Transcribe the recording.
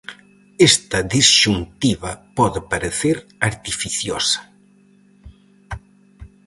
Esta disxuntiva pode parecer artificiosa.